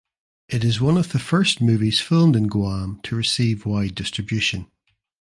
It is one of the first movies filmed in Guam to receive wide distribution.